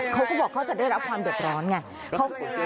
เขาก็บอกเขาจะได้รับความเดือดร้อนไง